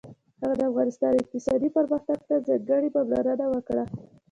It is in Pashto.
هغه د افغانستان اقتصادي پرمختګ ته ځانګړې پاملرنه وکړه.